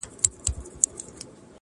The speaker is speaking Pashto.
لا یې خوله وي د غلیم په کوتک ماته.!.!